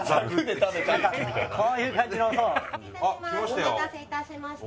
お待たせいたしました。